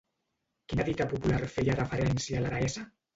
Quina dita popular feia referència a la deessa?